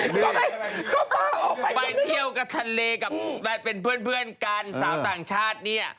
ไปเที่ยวกับทะเลกับเป็นเพื่อนกันสาวต่างชาติเนี่ย